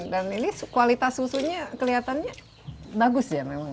dan ini kualitas susunya kelihatannya bagus ya memang